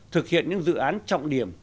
thực hiện những dự án trọng điểm